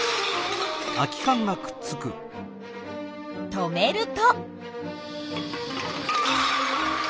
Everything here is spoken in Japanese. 止めると。